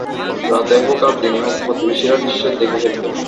রাতেই হোক আর দিনেই হোক, প্রতিবেশীরা নিশ্চয়ই দেখে ফেলবে।